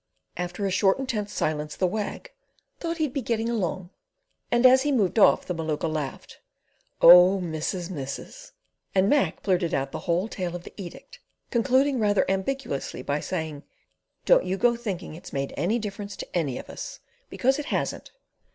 After a short intense silence the Wag "thought he'd be getting along," and as he moved off the Maluka laughed. "Oh, missus, missus!" and Mac blurted out the whole tale of the edict—concluding rather ambiguously by saying: "Don't you go thinking it's made any difference to any of us, because it hasn't.